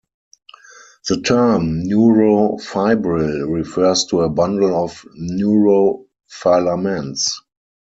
The term neurofibril refers to a bundle of neurofilaments.